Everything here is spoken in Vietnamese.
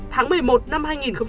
tháng một mươi một năm